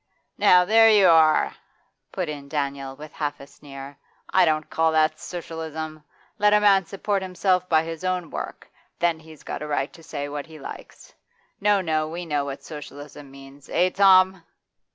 'Now, there you are!' put in Daniel with half a sneer. 'I don't call that Socialism. Let a man support himself by his own work, then he's got a right to say what he likes. No, no, we know what Socialism means, eh, Tom?